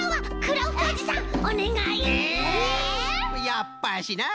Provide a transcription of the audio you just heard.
やっぱしな。